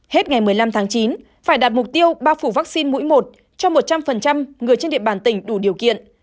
hết ngày một mươi năm tháng chín phải đạt mục tiêu bao phủ vaccine mũi một cho một trăm linh người trên địa bàn tỉnh đủ điều kiện